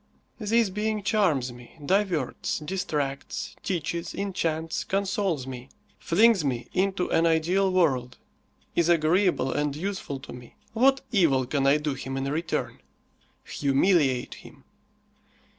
This being charms me, diverts, distracts, teaches, enchants, consoles me; flings me into an ideal world, is agreeable and useful to me. What evil can I do him in return? Humiliate him.